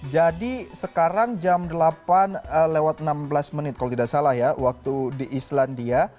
jadi sekarang jam delapan lewat enam belas menit kalau tidak salah ya waktu di islandia